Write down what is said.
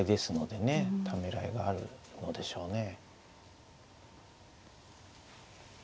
ためらいがあるのでしょうね。